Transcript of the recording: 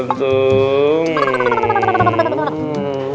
enggak boleh ngantuk